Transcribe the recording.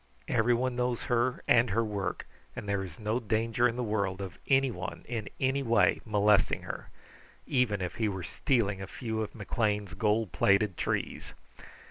Everyone knows her and her work, and there is no danger in the world of anyone in any way molesting her, even if he were stealing a few of McLean's gold plated trees.